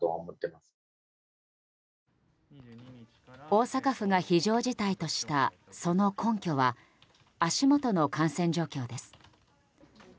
大阪府が非常事態としたその根拠は足元の感染状況です。